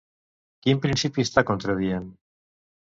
Quin principi està contradient?